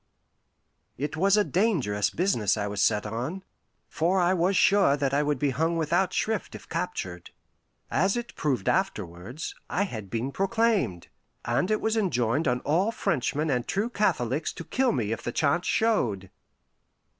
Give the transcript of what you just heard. It was a dangerous business I was set on, for I was sure that I would be hung without shrift if captured. As it proved afterwards, I had been proclaimed, and it was enjoined on all Frenchmen and true Catholics to kill me if the chance showed.